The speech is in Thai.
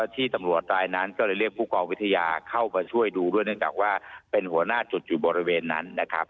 ที่ตำรวจรายนั้นก็เลยเรียกผู้กองวิทยาเข้ามาช่วยดูด้วยเนื่องจากว่าเป็นหัวหน้าจุดอยู่บริเวณนั้นนะครับ